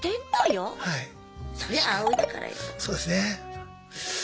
そうですね。